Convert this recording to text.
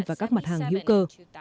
và các mặt hàng hữu cơ